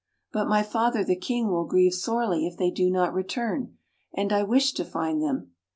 "But my father, the King, will grieve sorely if they do not return. And I wish to find them."